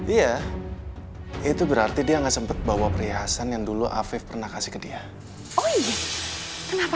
iya itu berarti dia nggak sempat bawa perhiasan yang dulu afif pernah kasih ke dia oh iya